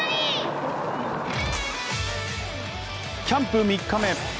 キャンプ３日目。